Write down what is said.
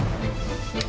aku mau mbak asur